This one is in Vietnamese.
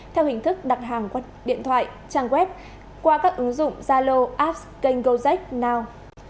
theo hình thức đặt hàng qua điện thoại trang web qua các ứng dụng zalo apps kênh gojek now